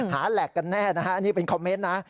แหลกกันแน่นะฮะอันนี้เป็นคอมเมนต์นะ